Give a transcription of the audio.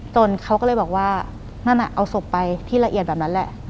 จนเขาก็เลยบอกว่านั่นน่ะเอาศพไปที่ละเอียดแบบนั้นแหละ